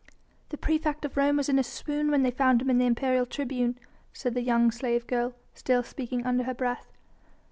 "The praefect of Rome was in a swoon when they found him in the imperial tribune," said the young slave girl, still speaking under her breath.